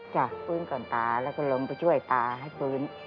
ฟื้นก่อนตาแล้วก็ลงไปช่วยตาให้ฟื้น